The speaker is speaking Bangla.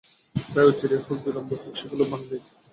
তাই অচিরেই হোক, বিলম্বেই হোক সেগুলি ভাঙবেই।